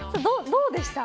どうでした。